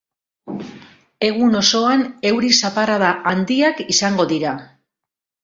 Egun osoan euri zaparrada handiak izango dira.